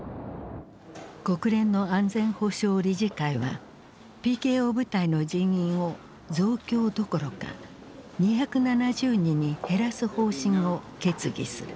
国連の安全保障理事会はＰＫＯ部隊の人員を増強どころか２７０人に減らす方針を決議する。